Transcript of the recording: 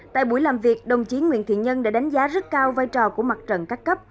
tại buổi làm việc đồng chí nguyễn thiện nhân đã đánh giá rất cao vai trò của mặt trận các cấp